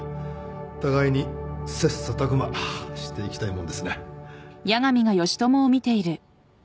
互いに切磋琢磨していきたいもんですね。